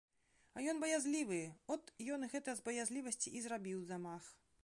А ён баязлівы, от ён гэта з баязлівасці і зрабіў замах.